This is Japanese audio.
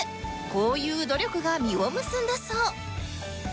こういう努力が実を結んだそう